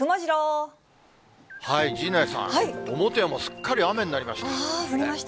陣内さん、表は、もうすっかり雨になりました。